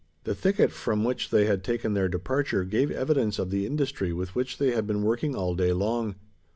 The thicket from which they had taken their departure, gave evidence of the industry with which they had been working all day long.